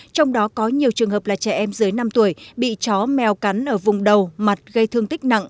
trong đó có nhiều trường hợp là trẻ em dưới năm tuổi bị chó mèo cắn ở vùng đầu mặt gây thương tích nặng